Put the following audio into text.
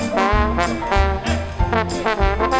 สวัสดีครับ